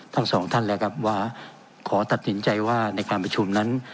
ทั้งสองท่านแล้วครับว่าขอตัดสินใจว่าในการประชุมนั้น